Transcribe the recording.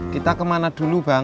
kita kemana dulu bang